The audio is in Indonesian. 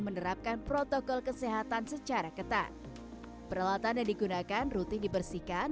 menerapkan protokol kesehatan secara ketat peralatan yang digunakan rutin dibersihkan